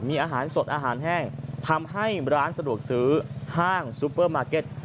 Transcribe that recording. มีอาหารสดอาหารแห้งทำให้ร้านสะดวกซื้อห้างซูเปอร์มาร์เก็ต